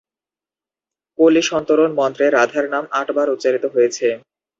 কলি-সন্তরণ মন্ত্রে রাধার নাম আটবার উচ্চারিত হয়েছে।